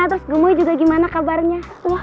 terus gemui juga gimana kabarnya